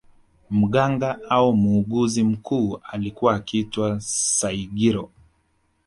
Mganga au muuguzi mkuu alikuwa akiitwa Saigiro